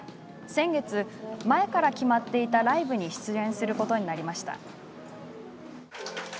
先月、前から決まっていたライブに出演することになりました。